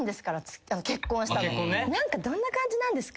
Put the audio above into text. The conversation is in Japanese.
どんな感じなんですか？